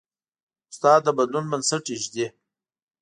استاد د بدلون بنسټ ایږدي.